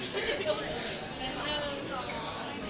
เราเป็นเครื่องสบายประโยชน์